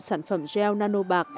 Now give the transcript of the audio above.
sản phẩm gel nano bạc